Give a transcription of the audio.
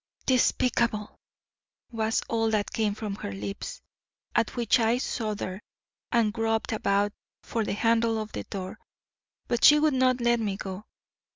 "Despicable!" was all that came from her lips. At which I shuddered and groped about for the handle of the door. But she would not let me go.